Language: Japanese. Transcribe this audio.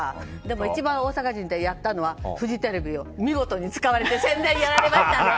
一番、大阪人でやったのはフジテレビを見事に使われて宣伝やられましたね。